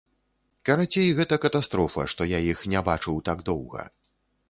Карацей, гэта катастрофа, што я іх не бачыў так доўга.